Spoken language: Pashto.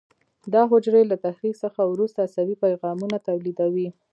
دا حجرې له تحریک څخه وروسته عصبي پیغامونه تولیدوي.